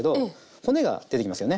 骨が出てきますよね。